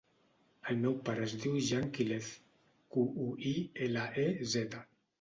El meu pare es diu Jan Quilez: cu, u, i, ela, e, zeta.